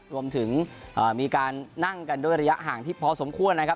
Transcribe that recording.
รวมถึงมีการนั่งกันด้วยระยะห่างที่พอสมควรนะครับ